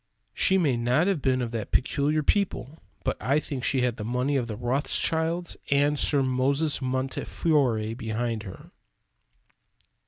She may not have been of that "peculiar people," but I think she had the money of Rothschilds and Sir Moses Montefiore behind her.